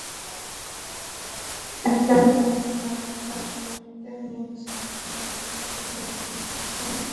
ইচ্ছে হচ্ছে লাল কার্পেটে শুয়ে ওপরের নীল ছাদটাকে দেখি পূর্ণ দৃষ্টিতে।